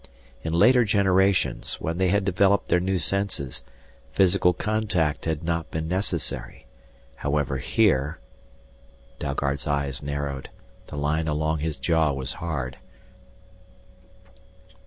In later generations, when they had developed their new senses, physical contact had not been necessary. However, here Dalgard's eyes narrowed, the line along his jaw was hard.